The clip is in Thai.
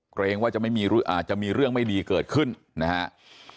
เกรงว่าจะมีเรื่องไม่ดีเกิดขึ้นนะครับ